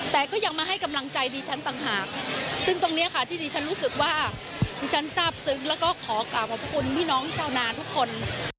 แต่ก็ยังมาให้กำลังใจดิฉันต่างหากซึ่งตรงนี้ค่ะที่ดิฉันรู้สึกว่าดิฉันทราบซึ้งแล้วก็ขอกลับขอบคุณพี่น้องชาวนาทุกคน